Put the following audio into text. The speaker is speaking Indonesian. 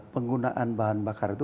penggunaan bahan bakar itu